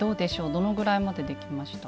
どのぐらいまでできました？